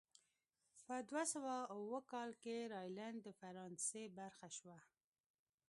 په دوه سوه اووه کال کې راینلنډ د فرانسې برخه شوه.